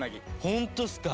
本当っすか！